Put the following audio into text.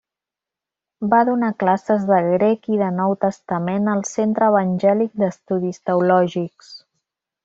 Va donar classes de grec i de Nou Testament al Centre Evangèlic d'Estudis Teològics.